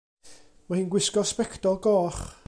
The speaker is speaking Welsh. Mae hi'n gwisgo sbectol goch.